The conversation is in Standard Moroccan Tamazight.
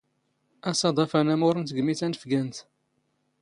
ⴰⵙⴰⴹⴰⴼ ⴰⵏⴰⵎⵓⵔ ⵏ ⵜⴳⵎⵉ ⵜⴰⵏⴼⴳⴰⵏⵜ.